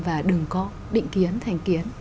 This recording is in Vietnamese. và đừng có định kiến thành kiến